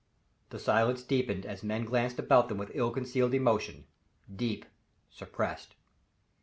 The silence deepened as men glanced about with ill concealed emotion deep, suppressed.